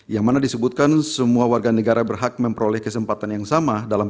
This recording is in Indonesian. yang mana disebutkan semua warga negara berhak memperoleh kesempatan yang sama dalam